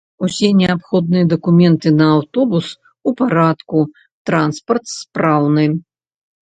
Усе неабходныя дакументы на аўтобус у парадку, транспарт спраўны.